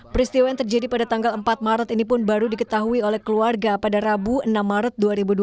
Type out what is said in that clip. peristiwa yang terjadi pada tanggal empat maret ini pun baru diketahui oleh keluarga pada rabu enam maret dua ribu dua puluh